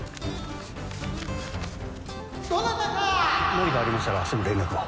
何かありましたらすぐ連絡を。